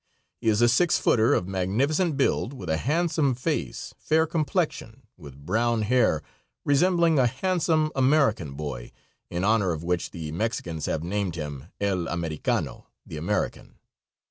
He is a six footer of magnificent build, with a handsome face, fair complexion, with brown hair, resembling a handsome American boy, in honor of which the Mexicans have named him El Americano (the American).